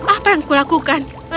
apa yang kulakukan